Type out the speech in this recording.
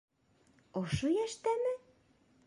Ошо йәштәме?